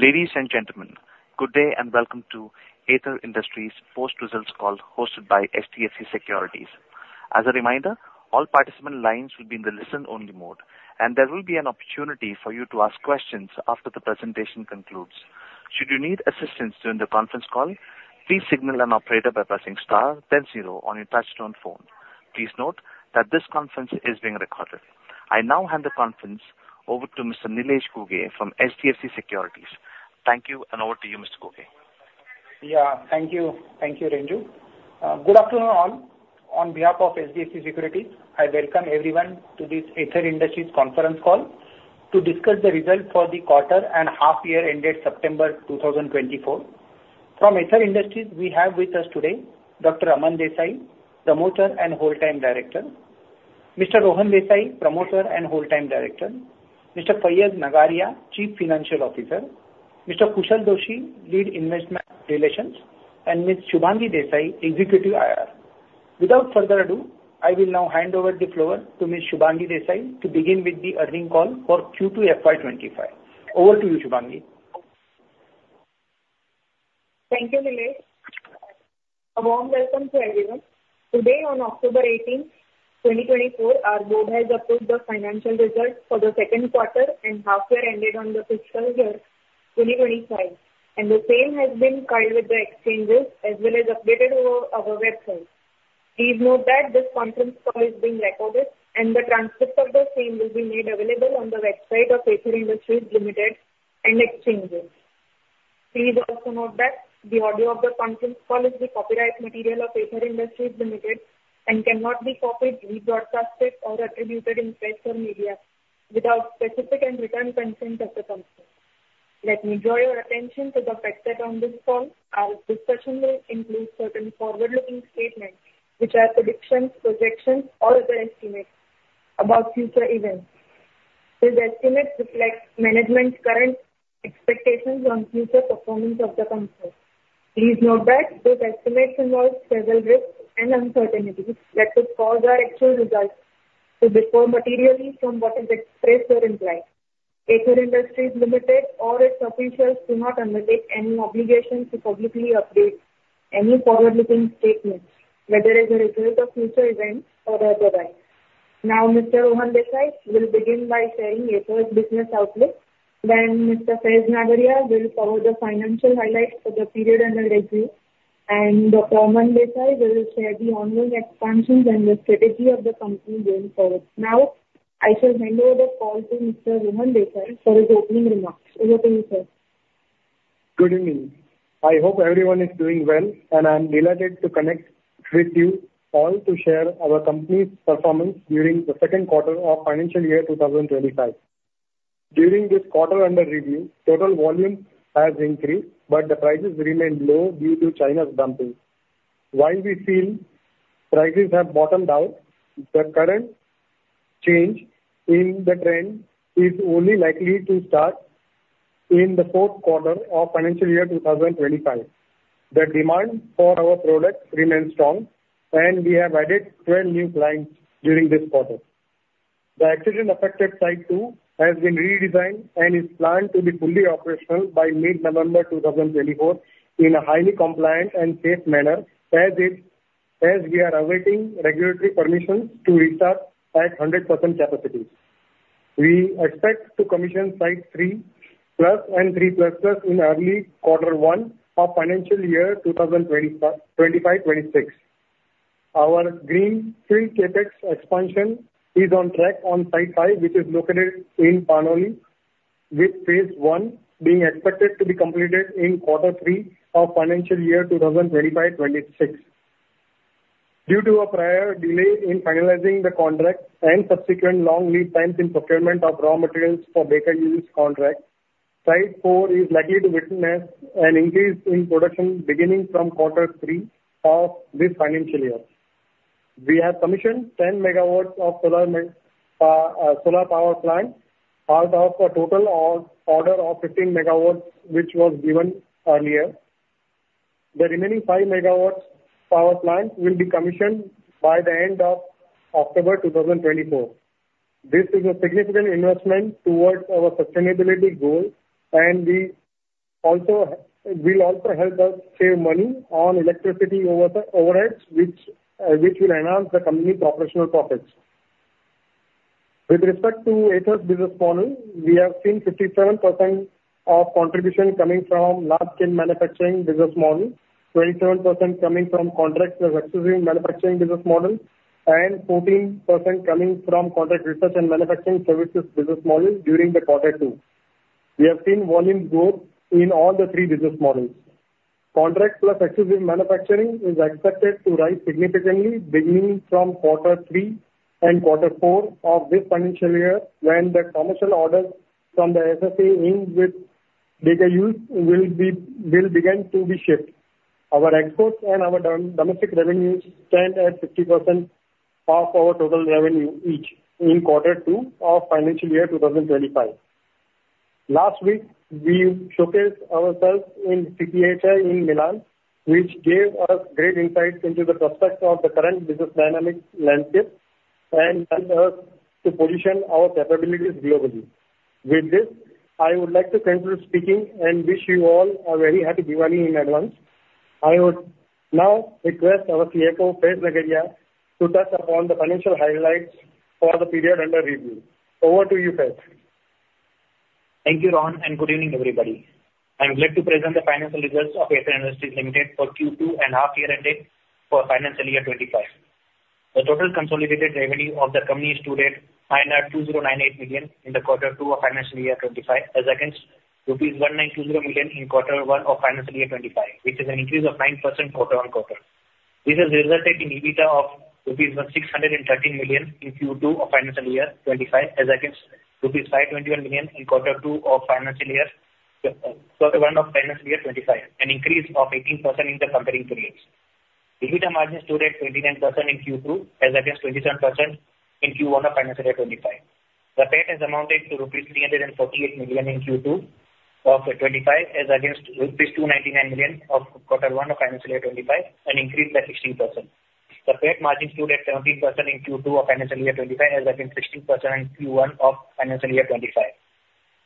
Ladies and gentlemen, good day and welcome to Aether Industries' post-results call hosted by HDFC Securities. As a reminder, all participant lines will be in the listen-only mode, and there will be an opportunity for you to ask questions after the presentation concludes. Should you need assistance during the conference call, please signal an operator by pressing star, then zero on your touch-tone phone. Please note that this conference is being recorded. I now hand the conference over to Mr. Nilesh Ghuge from HDFC Securities. Thank you, and over to you, Mr. Ghuge. Yeah, thank you. Thank you, Renju. Good afternoon all. On behalf of HDFC Securities, I welcome everyone to this Aether Industries conference call to discuss the results for the quarter and half-year ended September 2024. From Aether Industries, we have with us today Dr. Aman Desai, Promoter and Whole Time Director; Mr. Rohan Desai, Promoter and Whole Time Director; Mr. Faiz Nagariya, Chief Financial Officer; Mr. Kushal Doshi, Lead Investor Relations; and Ms. Shubhangi Desai, Executive IR. Without further ado, I will now hand over the floor to Ms. Shubhangi Desai to begin with the earnings call for Q2 FY25. Over to you, Shubhangi. Thank you, Nilesh. A warm welcome to everyone. Today, on October 18, 2024, our Board has approved the financial results for the second quarter and half-year end date on the fiscal year 2025, and the same has been filed with the exchanges as well as updated over our webSite. Please note that this conference call is being recorded, and the transcript of the same will be made available on the webSite of Aether Industries Limited and exchanges. Please also note that the audio of the conference call is the copyright material of Aether Industries Limited and cannot be copied, rebroadcast, or attributed in press or media without specific and written consent of the company. Let me draw your attention to the facts around this call. Our discussion will include certain forward-looking statements, which are predictions, projections, or other estimates about future events. These estimates reflect management's current expectations on future performance of the company. Please note that these estimates involve several risks and uncertainties that could cause our actual results to differ materially from what is expressed or implied. Aether Industries Limited or its officials do not undertake any obligation to publicly update any forward-looking statements, whether as a result of future events or otherwise. Now, Mr. Rohan Desai will begin by sharing Aether's business outlook, then Mr. Faiz Nagariya will cover the financial highlights for the period under review, and Dr. Aman Desai will share the ongoing expansions and the strategy of the company going forward. Now, I shall hand over the call to Mr. Rohan Desai for his opening remarks. Over to you, sir. Good evening. I hope everyone is doing well, and I'm delighted to connect with you all to share our company's performance during the second quarter of financial year 2025. During this quarter under review, total volume has increased, but the prices remained low due to China's dumping. While we feel prices have bottomed out, the current change in the trend is only likely to start in the fourth quarter of financial year 2025. The demand for our products remains strong, and we have added 12 new clients during this quarter. The fire-affected Site 2 has been redesigned and is planned to be fully operational by mid-November 2024 in a highly compliant and safe manner, as we are awaiting regulatory permissions to restart at 100% capacity. We expect to commission Site 3+ and 3++ in early quarter one of financial year 2025-2026. Our greenfield CapEx expansion is on track on Site 5, which is located in Panoli, with Phase I being expected to be completed in quarter three of financial year 2025-2026. Due to a prior delay in finalizing the contract and subsequent long lead times in procurement of raw materials for Baker Hughes contract, Site 4 is likely to witness an increase in production beginning from quarter three of this financial year. We have commissioned 10 MW of solar power plant out of a total order of 15 MW, which was given earlier. The remaining 5 MW power plant will be commissioned by the end of October 2024. This is a significant investment towards our sustainability goal, and we also will help us save money on electricity overheads, which will enhance the company's operational profits. With respect to Aether's business model, we have seen 57% of contribution coming from Large Scale Manufacturing business model, 27% coming from Contract/Exclusive Manufacturing business model, and 14% coming from Contract Research and Manufacturing Services business model during the quarter two. We have seen volume growth in all the three business models. Contract/Exclusive Manufacturing is expected to rise significantly beginning from quarter three and quarter four of this financial year when the commercial orders from the SSA with Baker Hughes will begin to be shipped. Our exports and our domestic revenues stand at 50% of our total revenue each in quarter two of financial year 2025. Last week, we showcased ourselves in CPHI in Milan, which gave us great insights into the prospects of the current business dynamic landscape and helped us to position our capabilities globally. With this, I would like to thank you for speaking and wish you all a very Happy Diwali in advance. I would now request our CFO, Faiz Nagariya, to touch upon the financial highlights for the period under review. Over to you, Faiz. Thank you, Rohan, and good evening, everybody. I'm glad to present the financial results of Aether Industries Limited for Q2 and half-year end date for financial year 2025. The total consolidated revenue of the company stood at 2,098 million in quarter two of financial year 2025, as against rupees 1,920 million in quarter one of financial year 2025, which is an increase of 9% quarter-on-quarter. This has resulted in EBITDA of rupees 613 million in Q2 of financial year 2025, as against rupees 521 million in quarter one of financial year 2025, an increase of 18% in the comparing periods. EBITDA margin stood at 29% in Q2, as against 27% in Q1 of financial year 2025. The PAT has amounted to 348 million rupees in Q2 of 2025, as against 299 million rupees of quarter one of financial year 2025, an increase by 16%. The PAT margin stood at 17% in Q2 of financial year 2025, as against 16% in Q1 of financial year 2025.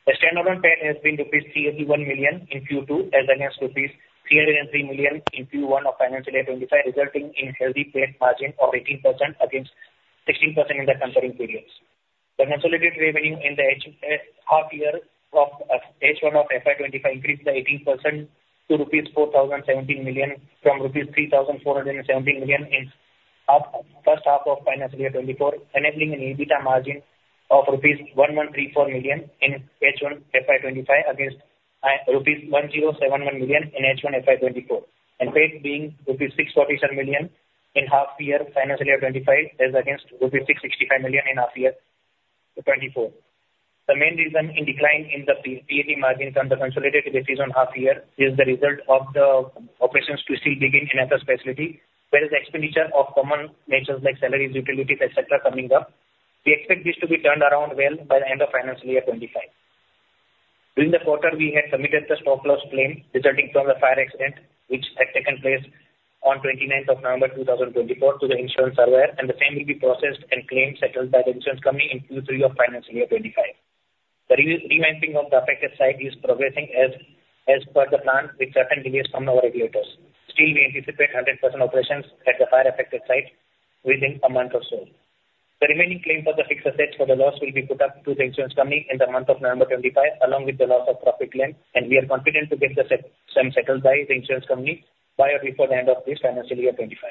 The standalone PAT has been rupees 381 million in Q2, as against rupees 303 million in Q1 of financial year 2025, resulting in a healthy PAT margin of 18% against 16% in the comparing periods. The consolidated revenue in the half-year of H1 of FY25 increased by 18% to rupees 4,017 million from rupees 3,417 million in the first half of financial year 2024, enabling an EBITDA margin of rupees 1,134 million in H1 FY25 against rupees 1,071 million in H1 FY24, and PAT being rupees 647 million in half-year financial year 2025, as against rupees 665 million in half-year 2024. The main reason for the decline in the PAT margin on the consolidated basis on half-year is result of the operations are still to begin in Aether's facility, whereas the expenditure of common natures like salaries, utilities, etc., is coming up. We expect this to be turned around well by the end of financial year 2025. During the quarter, we had submitted the stock loss claim resulting from the fire accident, which had taken place on 29th of November 2023, to the insurance surveyor, and the claim will be processed and claim settled by the insurance company in Q3 of financial year 2025. The revamping of the affected site is progressing as per the plan, with certain delays from our regulators. Still, we anticipate 100% operations at the fire-affected site within a month or so. The remaining claim for the fixed assets for the loss will be put up to the insurance company in the month of November 2025, along with the loss of profit claim, and we are confident to get the claim settled by the insurance company prior before the end of this financial year 2025.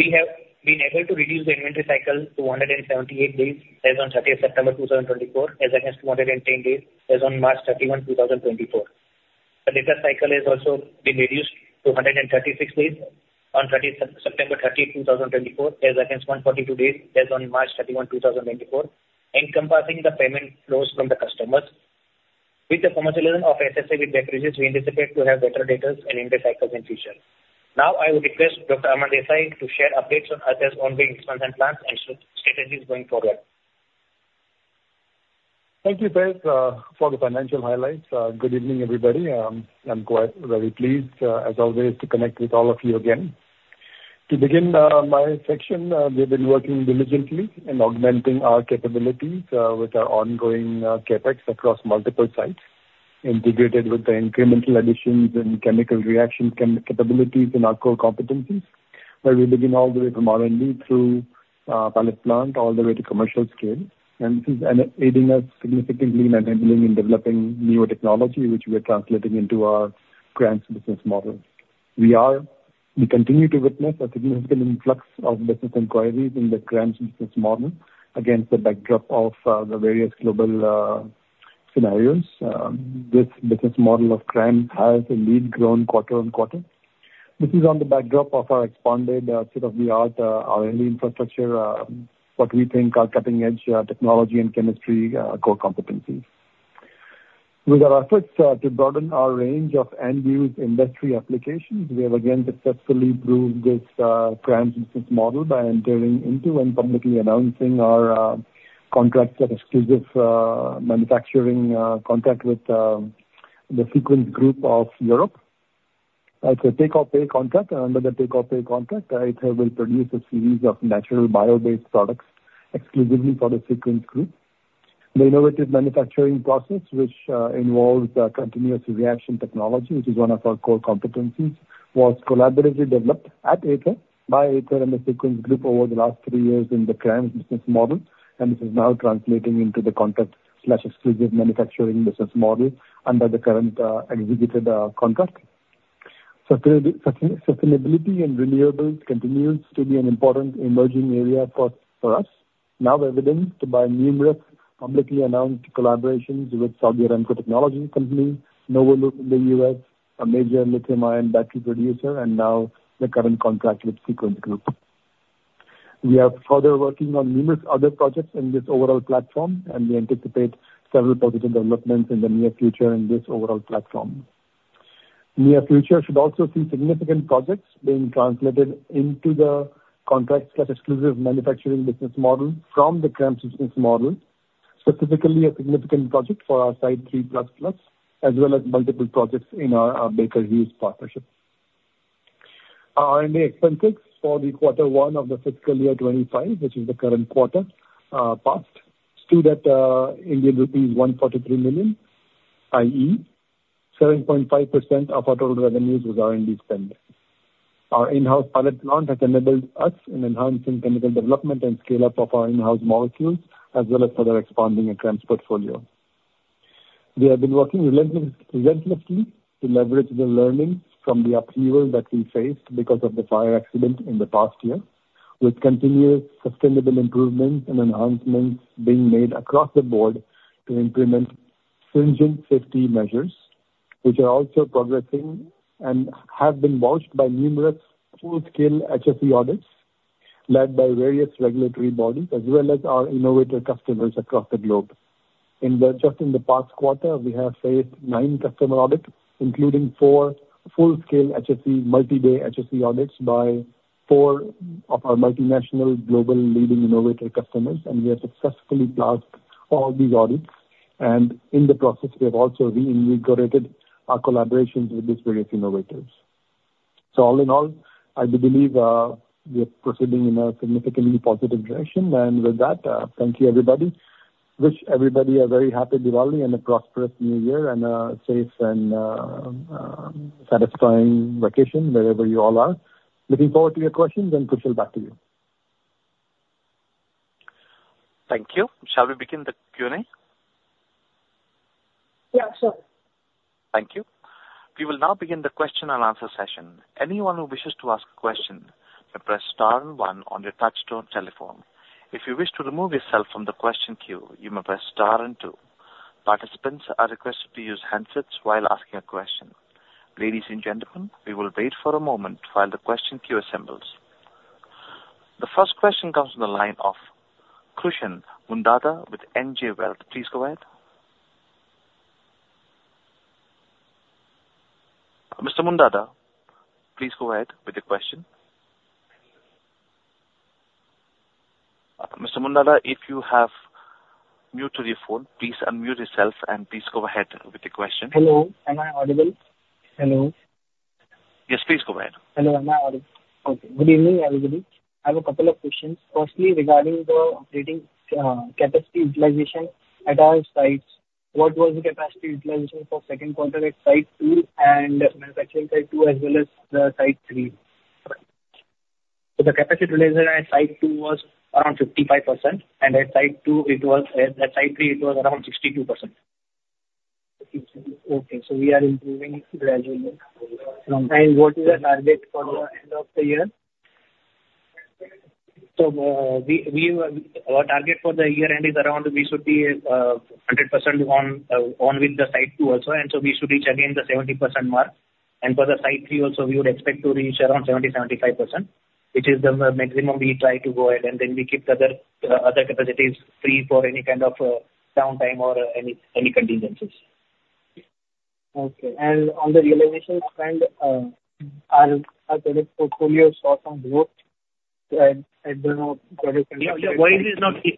We have been able to reduce the inventory cycle to 178 days as on 30th September 2024, as against 210 days as on March 31, 2024. The debtor cycle has also been reduced to 136 days on September 30, 2024, as against 142 days as on March 31, 2024, encompassing the payment flows from the customers. With the commercialization of SSA with Baker Hughes, we anticipate to have better debtor and inventory cycles in the future. Now, I would request Dr. Aman Desai to share updates on Aether's ongoing expansion plans and strategies going forward. Thank you, Faiz, for the financial highlights. Good evening, everybody. I'm very pleased, as always, to connect with all of you again. To begin my section, we have been working diligently in augmenting our capabilities with our ongoing CapEx across multiple sites, integrated with the incremental additions and chemical reaction capabilities in our core competencies, where we begin all the way from R&D through pilot plant all the way to commercial scale. And this is aiding us significantly in enabling and developing newer technology, which we are translating into our CRAMS business model. We continue to witness a significant influx of business inquiries in the CRAMS business model against the backdrop of the various global scenarios. This business model of CRAMS has indeed grown quarter-on-quarter. This is on the backdrop of our expanded state-of-the-art R&D infrastructure, what we think are cutting-edge technology and chemistry core competencies. With our efforts to broaden our range of end-use industry applications, we have again successfully proved this CRAMS business model by entering into and publicly announcing our Contract/Exclusive Manufacturing contract with the SEQENS Group of Europe. It's a take-or-pay contract. Under the take-or-pay contract, Aether will produce a series of natural bio-based products exclusively for the SEQENS Group. The innovative manufacturing process, which involves continuous reaction technology, which is one of our core competencies, was collaboratively developed at Aether by Aether and the SEQENS Group over the last three years in the CRAMS business model, and this is now translating into the Contract/Exclusive Manufacturing business model under the current executed contract. Sustainability and renewables continue to be an important emerging area for us, now evidenced by numerous publicly announced collaborations with Saudi Aramco Technologies Company, Novoloop in the U.S., a major lithium-ion battery producer, and now the current contract with SEQENS Group. We are further working on numerous other projects in this overall platform, and we anticipate several positive developments in the near future in this overall platform. The near future should also see significant projects being translated into the Contract/Exclusive Manufacturing business model from the CRAMS business model, specifically a significant project for our Site 3++, as well as multiple projects in our Baker Hughes partnership. Our R&D expenses for the quarter one of the fiscal year 2025, which is the current quarter past, stood at Indian rupees 143 million, i.e., 7.5% of our total revenues was R&D spent. Our in-house pilot plant has enabled us in enhancing chemical development and scale-up of our in-house molecules, as well as further expanding our CRAMS portfolio. We have been working relentlessly to leverage the learnings from the upheaval that we faced because of the fire accident in the past year, with continuous sustainable improvements and enhancements being made across the board to implement stringent safety measures, which are also progressing and have been bolstered by numerous full-scale HSE audits led by various regulatory bodies, as well as our innovator customers across the globe. Just in the past quarter, we have faced nine customer audits, including four full-scale HSE multi-day HSE audits by four of our multinational global leading innovator customers, and we have successfully passed all these audits, and in the process, we have also reinvigorated our collaborations with these various innovators. All in all, I believe we are proceeding in a significantly positive direction. With that, thank you, everybody. Wish everybody a very Happy Diwali and a prosperous New Year and a safe and satisfying vacation wherever you all are. Looking forward to your questions and pushing back to you. Thank you. Shall we begin the Q&A? Yeah, sure. Thank you. We will now begin the question-and-answer session. Anyone who wishes to ask a question may press star and one on your touch-tone telephone. If you wish to remove yourself from the question queue, you may press star and two. Participants are requested to use handsets while asking a question. Ladies and gentlemen, we will wait for a moment while the question queue assembles. The first question comes from the line of Krushan Mundada with NJ Wealth. Please go ahead. Mr. Mundada, please go ahead with the question. Mr. Mundada, if you have muted your phone, please unmute yourself and please go ahead with the question. Hello. Am I audible? Hello? Yes, please go ahead. Hello. Am I audible? Okay. Good evening, everybody. I have a couple of questions. Firstly, regarding the operating capacity utilization at our sites, what was the capacity utilization for second quarter at Site 2 and manufacturing Site 2, as well as Site 3? So the capacity utilization at Site 2 was around 55%, and at Site 2, it was at Site 3, it was around 62%. Okay. So we are improving gradually. And what is the target for the end of the year? So our target for the year-end is around we should be 100% on with the Site 2 also, and so we should reach again the 70% mark. And for the Site 3 also, we would expect to reach around 70%-75%, which is the maximum we try to go ahead, and then we keep the other capacities free for any kind of downtime or any contingencies. Okay. And on the realization front, our product portfolio saw some growth. I don't know. Your voice is not clear.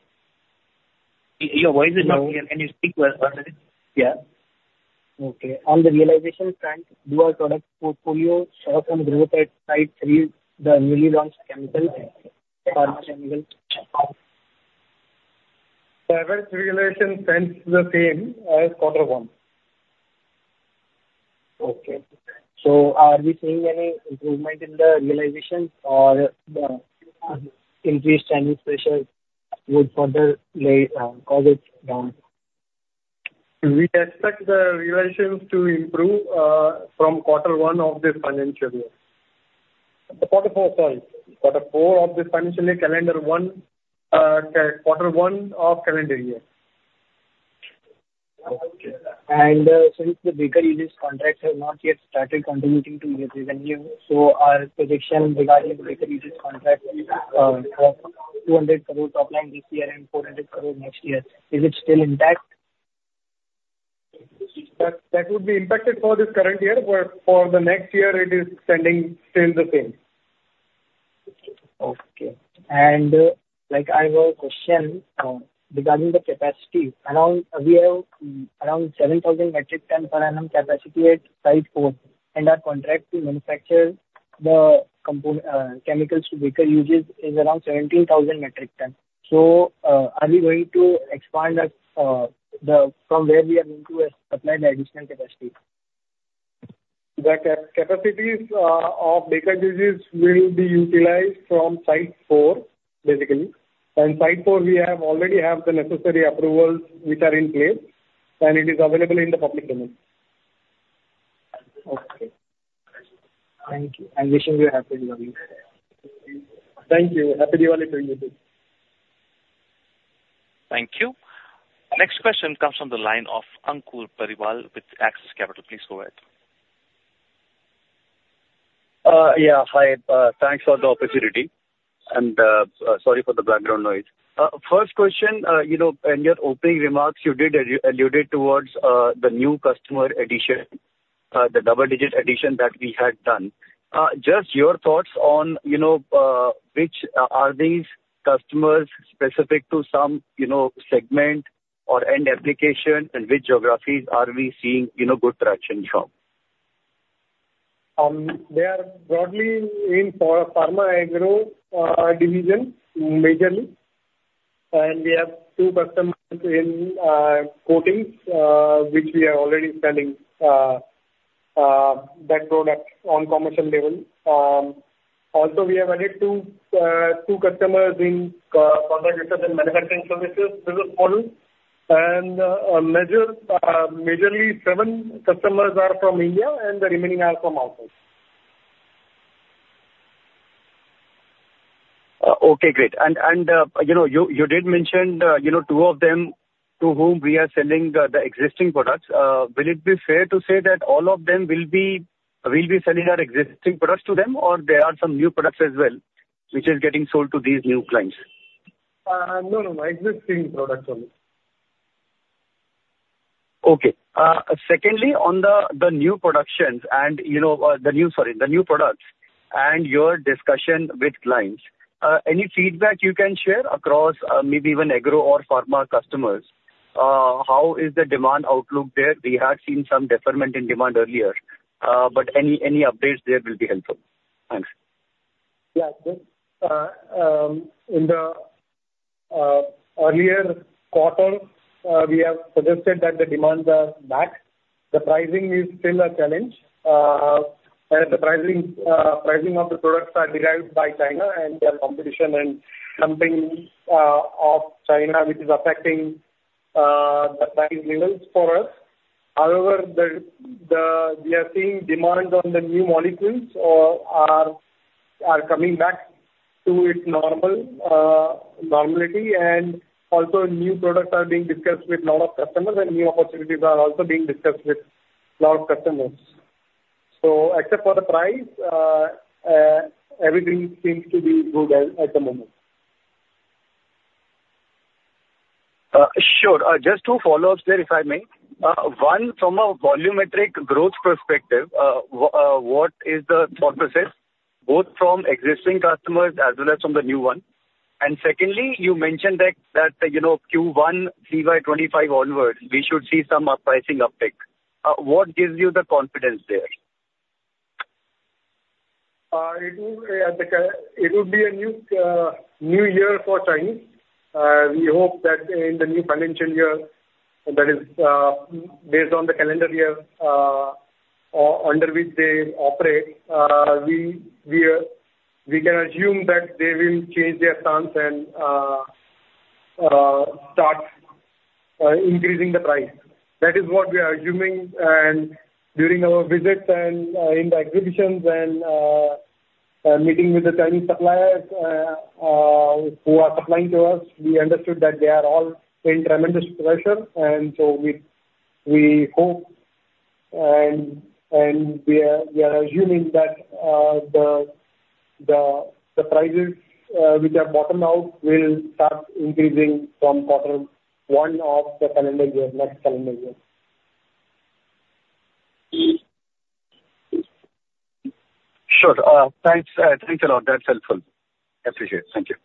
Your voice is not clear, can you speak? Yeah. Okay. On the realization front, did our product portfolio see some growth at Site 3, the newly launched chemicals, pharmaceuticals? The average realization trend is the same as quarter one. Okay. So are we seeing any improvement in the realization, or increased Chinese pressure would further cause it down? We expect the realization to improve from quarter one of this financial year. The quarter four, sorry. Quarter four of this financial year, calendar one, quarter one of calendar year. Okay. And since the Baker Hughes contract has not yet started contributing to the revenue, so our projections regarding Baker Hughes contract of 200 crores top line this year and 400 crores next year, is it still intact? That would be impacted for this current year, but for the next year, it is standing still the same. Okay, and I have a question. Regarding the capacity, we have around 7,000 metric tons per annum capacity at Site 4, and our contract to manufacture the chemicals to Baker Hughes is around 17,000 metric tons. Are we going to expand from where we are going to supply the additional capacity? The capacity of Baker Hughes will be utilized from Site 4, basically. And Site 4, we already have the necessary approvals which are in place, and it is available in the public domain. Okay. Thank you. I wish you a Happy Diwali. Thank you. Happy Diwali to you too. Thank you. Next question comes from the line of Ankur Periwal with Axis Capital. Please go ahead. Yeah, hi. Thanks for the opportunity. And sorry for the background noise. First question, in your opening remarks, you did allude towards the new customer addition, the double-digit addition that we had done. Just your thoughts on which are these customers specific to some segment or end application, and which geographies are we seeing good traction from? They are broadly in Pharma, Agro division majorly. And we have two customers in coatings, which we are already selling that product on commercial level. Also, we have added two customers in Contract Research & Manufacturing Services this fiscal. And majorly, seven customers are from India, and the remaining are from outside. Okay, great. And you did mention two of them to whom we are selling the existing products. Will it be fair to say that all of them will be selling our existing products to them, or there are some new products as well, which are getting sold to these new clients? No, no, no. Existing products only. Okay. Secondly, on the new productions and the new, sorry, the new products and your discussion with clients, any feedback you can share across maybe even Agro or Pharma customers? How is the demand outlook there? We had seen some deferment in demand earlier, but any updates there will be helpful. Thanks. Yeah. In the earlier quarter, we have suggested that the demands are back. The pricing is still a challenge. The pricing of the products are driven by China, and the dumping from China, which is affecting the price levels for us. However, we are seeing demand for the new molecules are coming back to its normality, and also new products are being discussed with a lot of customers, and new opportunities are also being discussed with a lot of customers. So except for the price, everything seems to be good at the moment. Sure. Just two follow-ups there, if I may. One, from a volumetric growth perspective, what is the thought process, both from existing customers as well as from the new one? And secondly, you mentioned that Q1 CY25 onwards, we should see some pricing uptake. What gives you the confidence there? It would be a new year for Chinese. We hope that in the new financial year that is based on the calendar year under which they operate, we can assume that they will change their stance and start increasing the price. That is what we are assuming. And during our visits and in the exhibitions and meeting with the Chinese suppliers who are supplying to us, we understood that they are all in tremendous pressure. And so we hope and we are assuming that the prices which are bottomed out will start increasing from quarter one of the calendar year, next calendar year. Sure. Thanks a lot. That's helpful. Appreciate it. Thank you.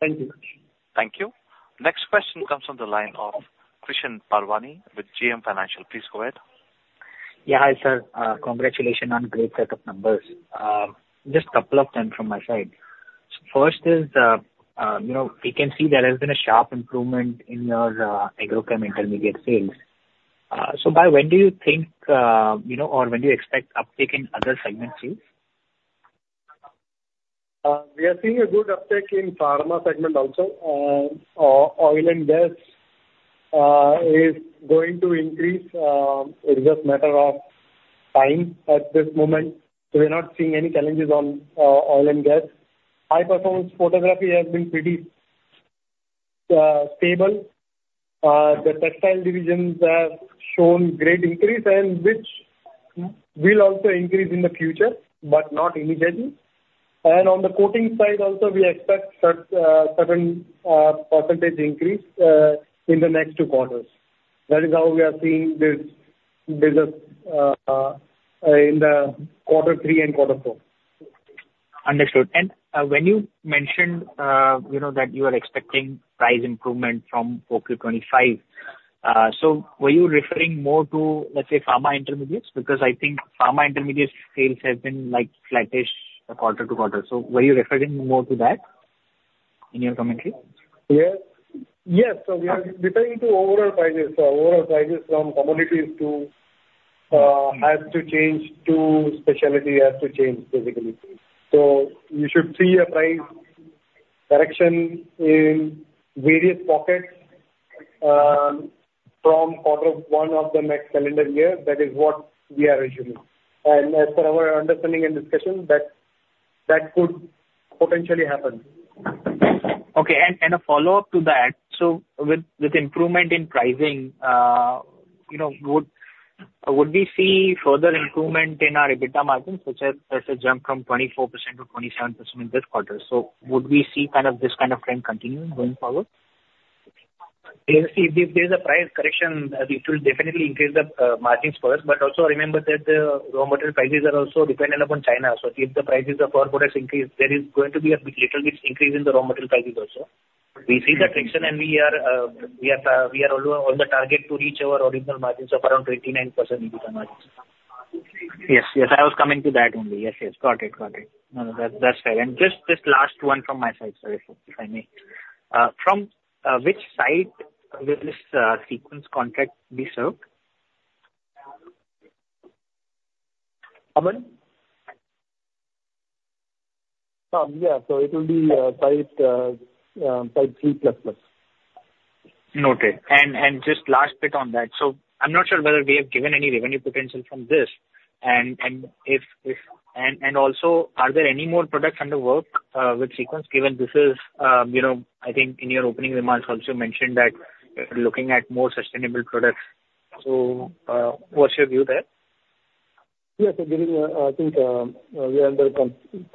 Thank you. Thank you. Next question comes from the line of Krishan Parwani with JM Financial. Please go ahead. Yeah, hi sir. Congratulations on a great set of numbers. Just a couple of things from my side. First is we can see there has been a sharp improvement in your Agrochem intermediate sales. So by when do you think or when do you expect uptake in other segments too? We are seeing a good uptake in Pharma segment also. Oil and gas is going to increase. It's just a matter of time at this moment. So we're not seeing any challenges on oil and gas. High-performance polymers has been pretty stable. The textile divisions have shown great increase, and which will also increase in the future, but not immediately, and on the coating side also, we expect a certain percentage increase in the next two quarters. That is how we are seeing this business in quarter three and quarter four. Understood. And when you mentioned that you are expecting price improvement from 2025, so were you referring more to, let's say, Pharma intermediates? Because I think Pharma intermediate sales have been flat-ish quarter-to-quarter. So were you referring more to that in your commentary? Yes. So we are referring to overall prices. Overall prices from commodities has to change to specialty has to change, basically. So you should see a price correction in various pockets from quarter one of the next calendar year. That is what we are assuming. And as per our understanding and discussion, that could potentially happen. Okay, and a follow-up to that. With improvement in pricing, would we see further improvement in our EBITDA margins, such as a jump from 24%-27% in this quarter? Would we see kind of this kind of trend continuing going forward? If there is a price correction, it will definitely increase the margins for us. But also remember that the raw material prices are also dependent upon China. So if the prices of our products increase, there is going to be a little bit increase in the raw material prices also. We see the traction, and we are on the target to reach our original margins of around 29% EBITDA margins. Yes. Yes. I was coming to that only. Yes. Yes. Got it. Got it. That's fair. And just last one from my side, sorry, if I may. From which site will this SEQENS contract be served? Aman? Yeah. So it will be Site 3++. Noted. And just last bit on that. So I'm not sure whether we have given any revenue potential from this. And also, are there any more products under work with SEQENS given this is, I think, in your opening remarks also mentioned that looking at more sustainable products. So what's your view there? Yes. I think we are under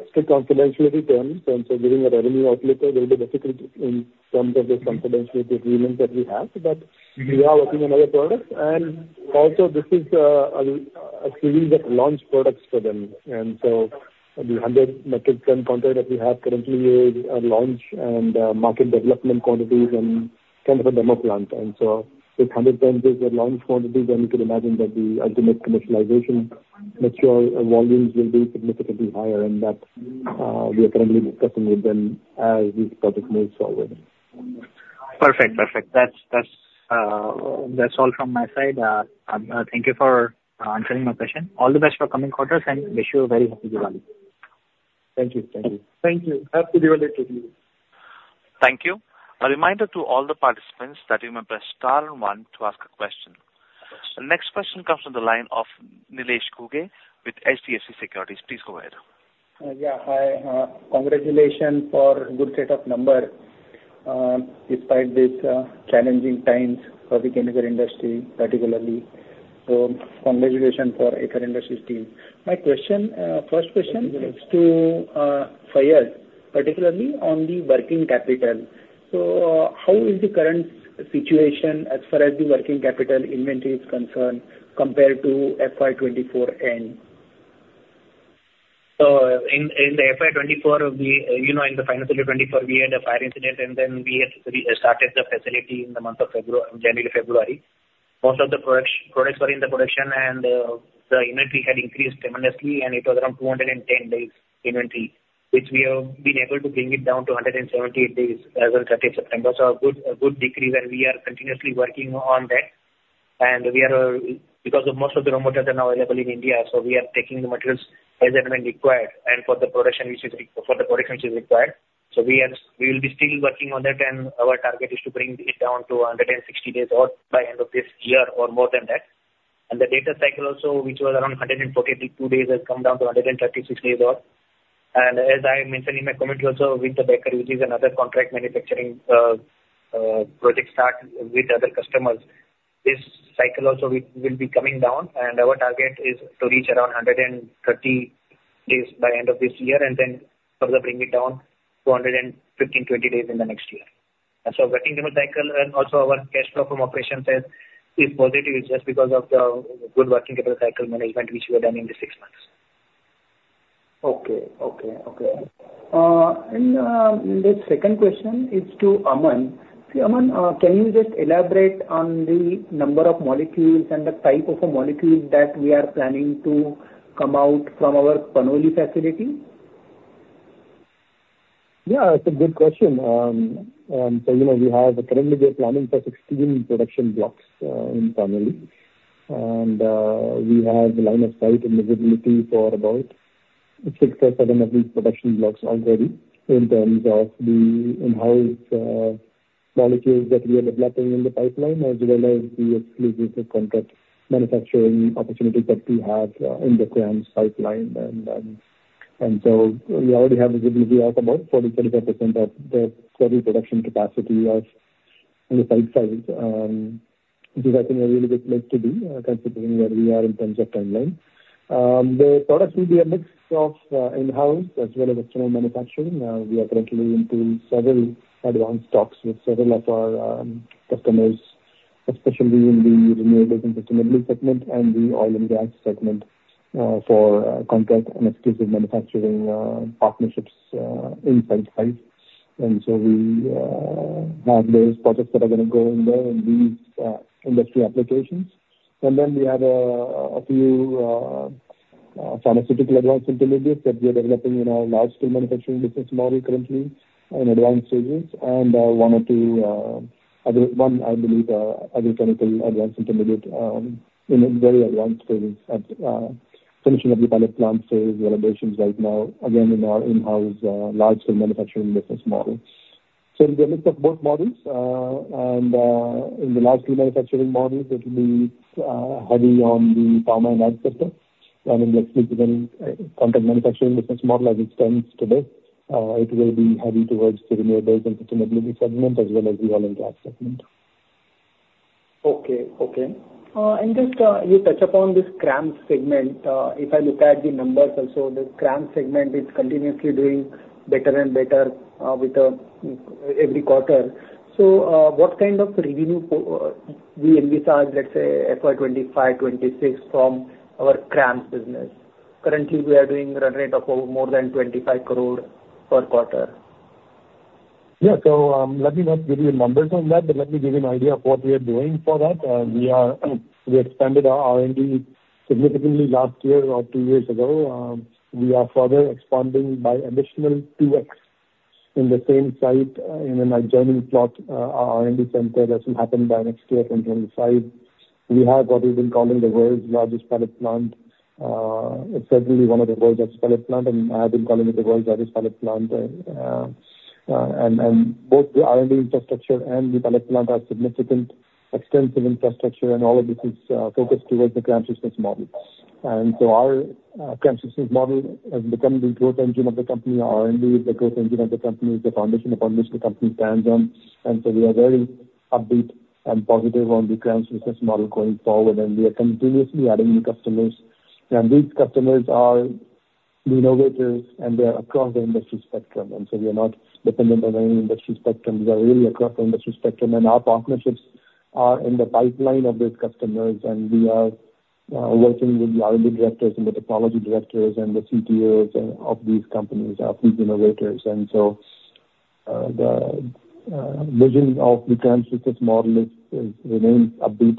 strict confidentiality terms, and so giving a revenue outlet will be difficult in terms of the confidentiality agreements that we have, but we are working on other products, and also, this is a series of launch products for them, and so the 100 metric tons contract that we have currently is a launch and market development quantities and kind of a demo plant, and so with 100 tons as a launch quantity, then you can imagine that the ultimate commercialization mature volumes will be significantly higher than that. We are currently discussing with them as these projects move forward. Perfect. Perfect. That's all from my side. Thank you for answering my question. All the best for coming quarters, and wish you a very Happy Diwali. Thank you. Thank you. Happy Diwali to you. Thank you. A reminder to all the participants that you may press star and one to ask a question. The next question comes from the line of Nilesh Ghuge with HDFC Securities. Please go ahead. Yeah. Hi. Congratulations for a good set of numbers despite these challenging times for the chemical industry, particularly. So congratulations for the Aether Industries team. My question, first question is to Faiz, particularly on the working capital. So how is the current situation as far as the working capital inventory is concerned compared to FY24 end? In the FY24, in the financial year 2024, we had a fire incident, and then we started the facility in the month of January, February. Most of the products were in the production, and the inventory had increased tremendously, and it was around 210 days inventory, which we have been able to bring it down to 178 days as of 30th September. So a good decrease, and we are continuously working on that. And because most of the raw materials are now available in India, so we are taking the materials as and when required and for the production which is required. So we will be still working on that, and our target is to bring it down to 160 days or by end of this year or more than that. And the debtor cycle also, which was around 142 days, has come down to 136 days odd. As I mentioned in my commentary also with the Baker Hughes, which is another contract manufacturing project start with other customers, this cycle also will be coming down, and our target is to reach around 130 days by end of this year and then further bring it down to 115-120 days in the next year. So working capital and also our cash flow from operations is positive just because of the good working capital cycle management which we have done in the six months. Okay. The second question is to Aman. Aman, can you just elaborate on the number of molecules and the type of molecules that we are planning to come out from our Panoli facility? Yeah. It's a good question. So we have currently been planning for 16 production blocks in Panoli. We have a line of sight and visibility for about six or seven of these production blocks already in terms of the in-house molecules that we are developing in the pipeline as well as the Contract/Exclusive Manufacturing opportunities that we have in the CRAMS pipeline. So we already have visibility of about 40%-45% of the total production capacity of the Site 5, which I think is a really good place to be considering where we are in terms of timeline. The products will be a mix of in-house as well as external manufacturing. We are currently into several advanced talks with several of our customers, especially in the Renewable and Sustainability segment and the Oil and Gas segment for Contract/Exclusive Manufacturing partnerships in Site 5, and so we have those products that are going to go in there in these industry applications, and then we have a few pharmaceutical advanced intermediates that we are developing in our Large Scale Manufacturing business model currently in advanced stages, and one or two other, one, I believe, Agrochemical advanced intermediate in very advanced stages, finishing of the pilot plant phase validations right now, again, in our in-house Large Scale Manufacturing business model, so we will look at both models, and in the Large Scale Manufacturing models, it will be heavy on the Pharma and Ag sector. In the Contract/Exclusive Manufacturing business model as it stands today, it will be heavy towards the Renewables and Sustainability segment as well as the Oil and Gas segment. Okay. Okay. Just you touch upon this CRAMS segment. If I look at the numbers also, the CRAMS segment is continuously doing better and better every quarter. What kind of revenue do you envisage, let's say, FY25, FY26 from our CRAMS business? Currently, we are doing a run rate of more than 25 crores per quarter. Yeah. Let me not give you numbers on that, but let me give you an idea of what we are doing for that. We expanded our R&D significantly last year or two years ago. We are further expanding by additional 2x in the same site in an adjoining plot, our R&D center. That will happen by next year, 2025. We have what we've been calling the world's largest pilot plant. It's certainly one of the world's largest pilot plants, and I have been calling it the world's largest pilot plant, and both the R&D infrastructure and the pilot plant are significant, extensive infrastructure, and all of this is focused toward the CRAMS business model. Our CRAMS business model has become the growth engine of the company. Our R&D is the growth engine of the company. It's the foundation upon which the company stands on. We are very upbeat and positive on the CRAMS business model going forward, and we are continuously adding new customers. These customers are the innovators, and they are across the industry spectrum. We are not dependent on any industry spectrum. We are really across the industry spectrum. Our partnerships are in the pipeline of these customers, and we are working with the R&D Directors and the Technology Directors and the CTOs of these companies, of these innovators. So the vision of the CRAMS business model remains upbeat,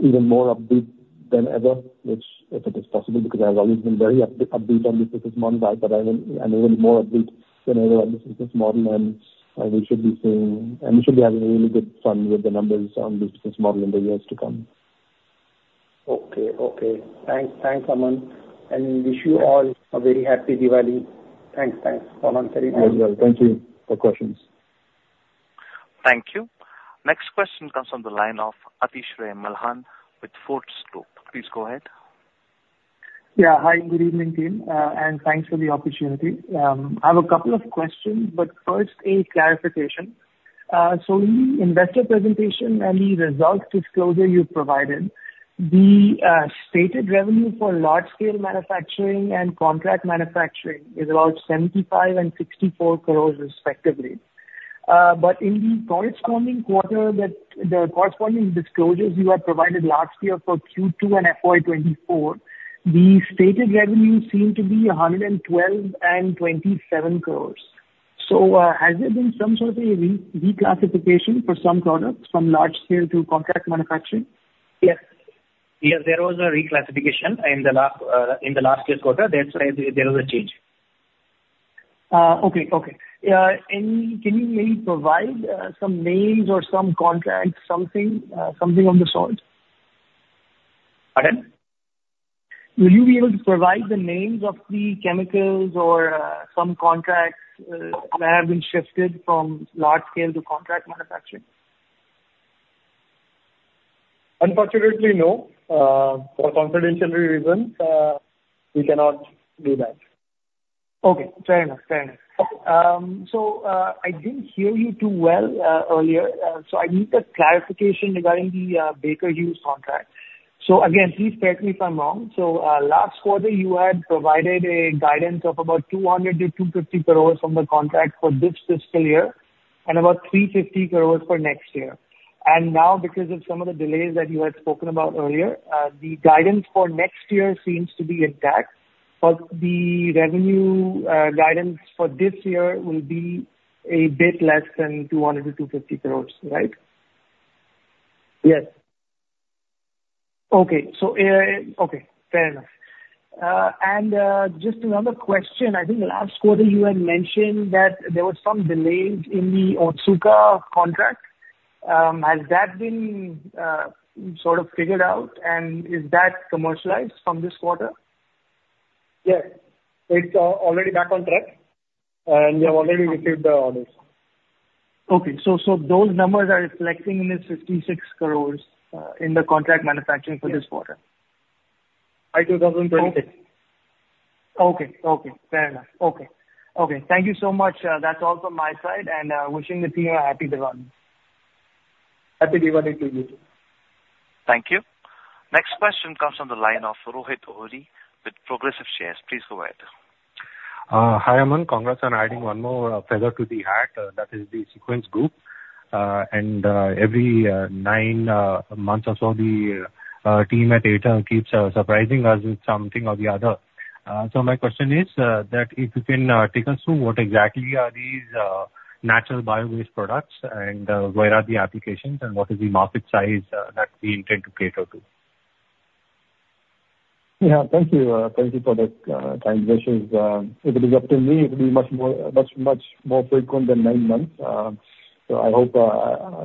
even more upbeat than ever, which if it is possible, because I have always been very upbeat on this business model, but I'm even more upbeat than ever on this business model. And we should be seeing and we should be having really good fun with the numbers on this business model in the years to come. Okay. Okay. Thanks. Thanks, Aman. And wish you all a very Happy Diwali. Thanks. Thanks for answering my questions. Thank you for questions. Thank you. Next question comes from the line of Atishray Malhan with Fortress Group. Please go ahead. Yeah. Hi. Good evening, team, and thanks for the opportunity. I have a couple of questions, but first, a clarification. So in the investor presentation and the results disclosure you provided, the stated revenue for Large Scale Manufacturing and Contract manufacturing is about 75 and 64 crores, respectively, but in the corresponding quarter, the corresponding disclosures you have provided last year for Q2 and FY24, the stated revenues seem to be 112 and 27 crore. So has there been some sort of a reclassification for some products from Large Scale to Contract manufacturing? Yes. Yes. There was a reclassification in the last year's quarter. That's why there was a change. Can you maybe provide some names or some contracts, something of the sort? Pardon? Will you be able to provide the names of the chemicals or some contracts that have been shifted from Large Scale to Contract Manufacturing? Unfortunately, no. For confidential reasons, we cannot do that. Okay. Fair enough. Fair enough. So I didn't hear you too well earlier. So I need a clarification regarding the Baker Hughes contract. So again, please correct me if I'm wrong. So last quarter, you had provided a guidance of about 200 crores-250 crores from the contract for this fiscal year and about 350 crores for next year. And now, because of some of the delays that you had spoken about earlier, the guidance for next year seems to be intact. But the revenue guidance for this year will be a bit less than 200 crores-250 crores, right? Yes. Okay. Okay. Fair enough. And just another question. I think last quarter, you had mentioned that there were some delays in the Otsuka contract. Has that been sort of figured out, and is that commercialized from this quarter? Yes. It's already back on track, and we have already received the orders. Okay, so those numbers are reflecting in this 56 crores in the Contract Manufacturing for this quarter? By 2026. Okay. Fair enough. Thank you so much. That's all from my side, and wishing the team a Happy Diwali. Happy Diwali to you too. Thank you. Next question comes from the line of Rohit Ohri with Progressive Shares. Please go ahead. Hi, Aman. Congrats on adding one more feather to the hat that is the SEQENS Group. And every nine months or so, the team at Aether keeps surprising us with something or the other. So my question is that if you can take us through what exactly are these natural bio-based products and where are the applications and what is the market size that we intend to cater to? Yeah. Thank you. Thank you for the time, which is, if it is up to me, it would be much more frequent than nine months. So I hope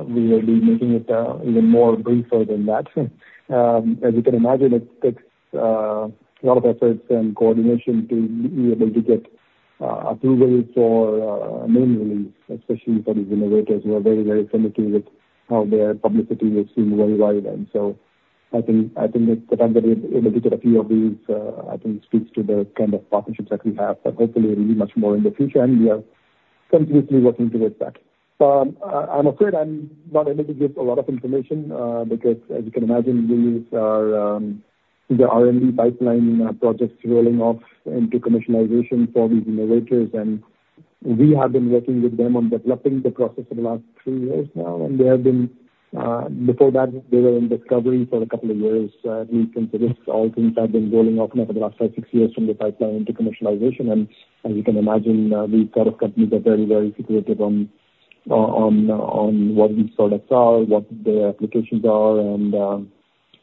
we will be making it even more briefer than that. As you can imagine, it takes a lot of efforts and coordination to be able to get approval for name release, especially for these innovators who are very, very protective with how their publicity is seen worldwide. And so I think the fact that we're able to get a few of these, I think, speaks to the kind of partnerships that we have, but hopefully, it will be much more in the future. And we are continuously working towards that. I'm afraid I'm not able to give a lot of information because, as you can imagine, the R&D pipeline project is rolling off into commercialization for these innovators. And we have been working with them on developing the process for the last three years now. And before that, they were in discovery for a couple of years, at least since all things have been rolling off now for the last five, six years from the pipeline into commercialization. And as you can imagine, these sort of companies are very, very secretive on what these products are, what their applications are, and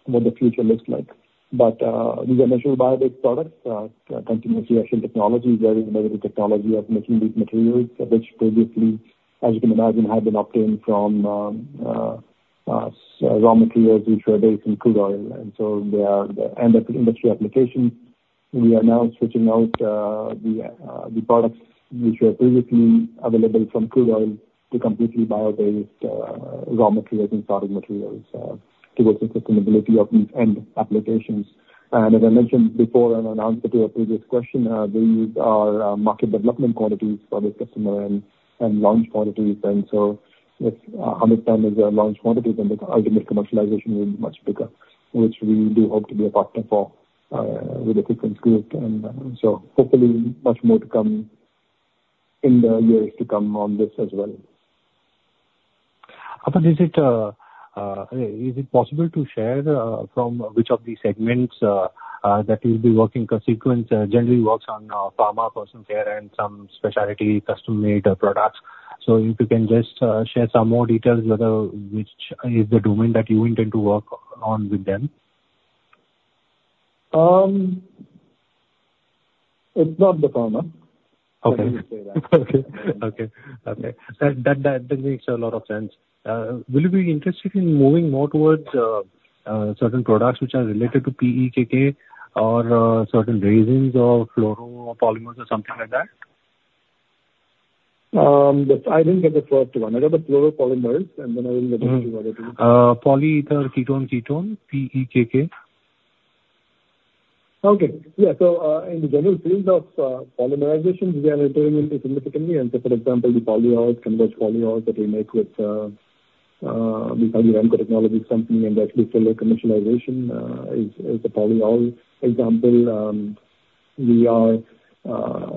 what the future looks like. But these are natural bio-based products. Continuous Reaction Technology is very innovative technology of making these materials, which previously, as you can imagine, had been obtained from raw materials which were based in crude oil. And so they are end-of-industry applications. We are now switching out the products which were previously available from crude oil to completely bio-based raw materials and starting materials towards the sustainability of these end applications. And as I mentioned before and announced to your previous question, they use our market development quantities for this customer and launch quantities. And so if 100 ton is a launch quantity, then the ultimate commercialization will be much bigger, which we do hope to be a partner for with the SEQENS Group. And so hopefully, much more to come in the years to come on this as well. Aman, is it possible to share from which of the segments that you'll be working? SEQENS generally works on pharma, personal care, and some specialty custom-made products. So if you can just share some more details, which is the domain that you intend to work on with them? It's not the pharma. I wouldn't say that. Okay. That makes a lot of sense. Will you be interested in moving more towards certain products which are related to PEKK or certain resins or fluoropolymers or something like that? I didn't get the first one. I got the fluoropolymers, and then I didn't get the other two. Polyetherketoneketone, PEKK. Okay. Yeah. In the general field of polymerization, we are entering into significantly. For example, the polyols, CONVERGE polyols that we make with the Saudi Aramco Technologies Company, and that is still in commercialization is a polyol example.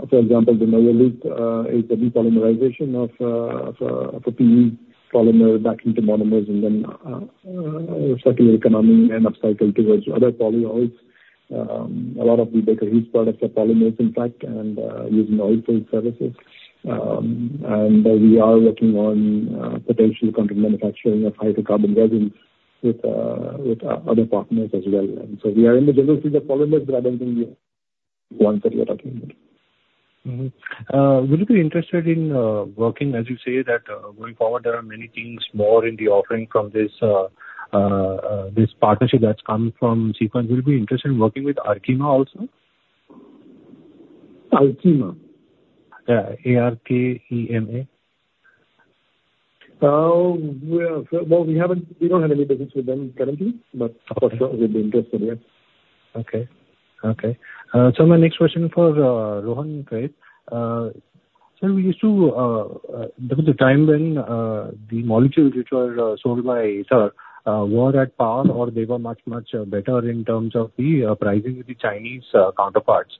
For example, the Novoloop is the depolymerization of PE polymer back into monomers and then circular economy and upcycle towards other polyols. A lot of the Baker Hughes products are polymers, in fact, and using oilfield services. We are working on potential contract manufacturing of hydrocarbon resins with other partners as well. We are in the general field of polymers, but I don't think you have one that you're talking about. Would you be interested in working, as you say, that going forward, there are many things more in the offering from this partnership that's come from SEQENS? Would you be interested in working with Arkema also? Arkema? Yeah. A-R-K-E-M-A? We don't have any business with them currently, but for sure, we'd be interested, yes. Okay. Okay. So my next question for Rohan, right? So we used to, there was a time when the molecules which were sold by Aether were at par, or they were much, much better in terms of the pricing with the Chinese counterparts.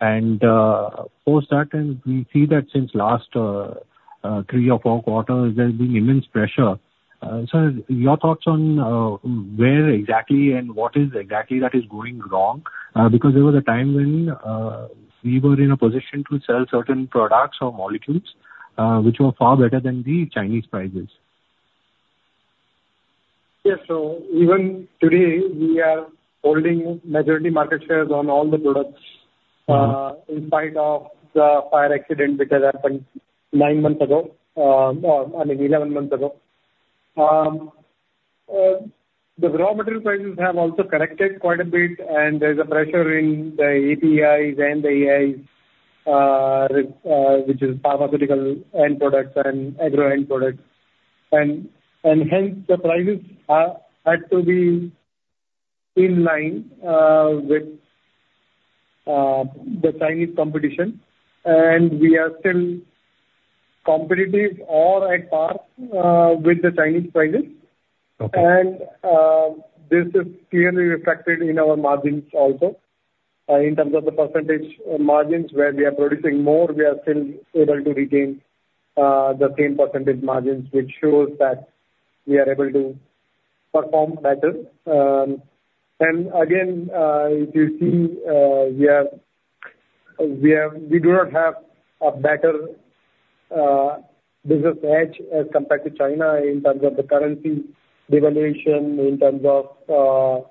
And post that, and we see that since last three or four quarters, there's been immense pressure. So your thoughts on where exactly and what is exactly that is going wrong? Because there was a time when we were in a position to sell certain products or molecules which were far better than the Chinese prices. Yes, so even today, we are holding majority market shares on all the products in spite of the fire accident which has happened nine months ago, or I mean, 11 months ago. The raw material prices have also corrected quite a bit, and there's a pressure in the APIs and the AIs, which is pharmaceutical end products and agro end products, and hence, the prices had to be in line with the Chinese competition, and we are still competitive or at par with the Chinese prices, and this is clearly reflected in our margins also. In terms of the percentage margins where we are producing more, we are still able to retain the same percentage margins, which shows that we are able to perform better. Again, if you see, we do not have a better business edge as compared to China in terms of the currency devaluation, in terms of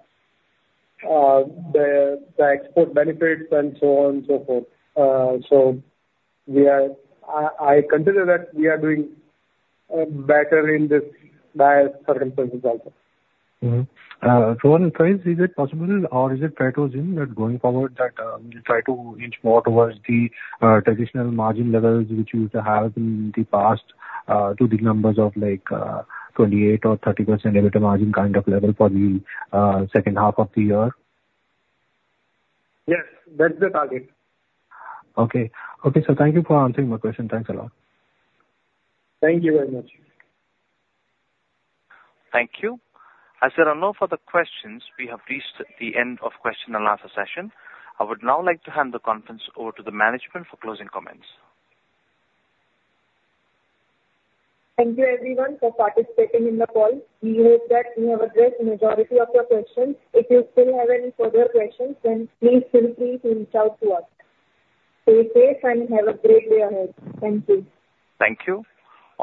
the export benefits, and so on and so forth. I consider that we are doing better in these dire circumstances also. Rohan or Faiz, is it possible, or is it fair to assume that going forward, that we try to inch more towards the traditional margin levels which we used to have in the past to the numbers of like 28% or 30% EBITDA margin kind of level for the second half of the year? Yes. That's the target. Okay, so thank you for answering my question. Thanks a lot. Thank you very much. Thank you. As there are no further questions, we have reached the end of question and answer session. I would now like to hand the conference over to the management for closing comments. Thank you, everyone, for participating in the call. We hope that we have addressed the majority of your questions. If you still have any further questions, then please feel free to reach out to us. Stay safe and have a great day ahead. Thank you. Thank you.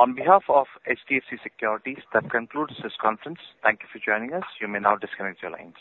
On behalf of HDFC Securities, that concludes this conference. Thank you for joining us. You may now disconnect your lines.